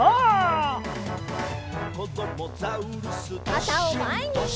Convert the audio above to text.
かたをまえに！